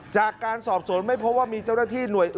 จากการสอบสวนไม่พบว่ามีเจ้าหน้าที่หน่วยอื่น